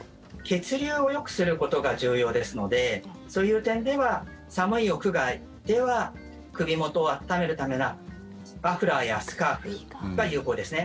血流をよくすることが重要ですのでそういう点では、寒い屋外では首元を温めるためのマフラーやスカーフが有効ですね。